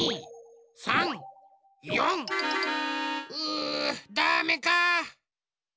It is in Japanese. うダメか。